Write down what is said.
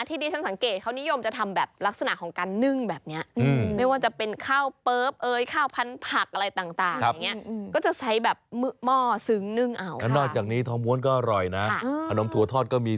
ที่ดีฉันสังเกตเขานิยมจะทำแบบลักษณะของการนึ่งแบบเนี้ยอืม